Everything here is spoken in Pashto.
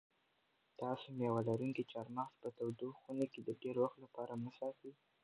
تاسو مېوه لرونکي چهارمغز په تودو خونو کې د ډېر وخت لپاره مه ساتئ.